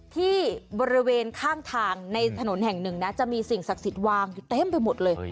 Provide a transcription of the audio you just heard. ที่บริเวณข้างทางในถนนแห่งหนึ่งนะจะมีสิ่งศักดิ์สิทธิ์วางอยู่เต็มไปหมดเลย